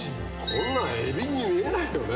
こんなんエビに見えないよね。